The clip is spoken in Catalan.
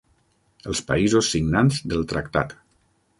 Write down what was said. Els països signants del tractat.